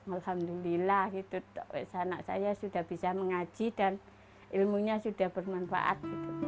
alhamdulillah gitu anak saya sudah bisa mengaji dan ilmunya sudah bermanfaat